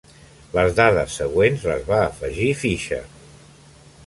Les dades següents les va afegir Fisher.